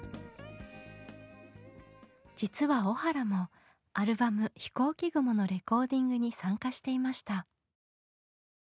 実は小原もアルバム「ひこうき雲」のレコーディングに参加していました。